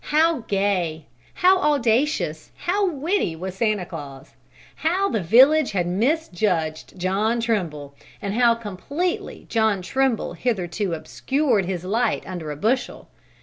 How gay, how audacious, how witty was Santa Claus! How the village had always misjudged John Trimble, and how completely had John Trimble hitherto obscured his light under a bushel.